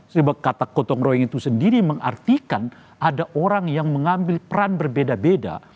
sebab kata gotong royong itu sendiri mengartikan ada orang yang mengambil peran berbeda beda